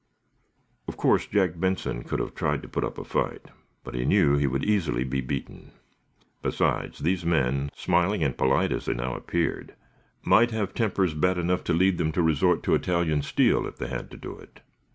Of course Jack Benson could have tried to put up a fight, but he knew he would easily be beaten. Besides, these men, smiling and polite as they now appeared, might have tempers bad enough to lead them to resort to Italian steel, if they had to do it.